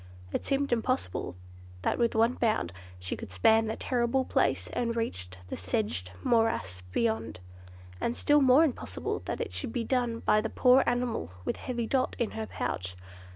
It seemed impossible that with one bound she could span that terrible place and reach the sedged morass beyond; and still more impossible that it should be done by the poor animal with heavy Dot in her pouch.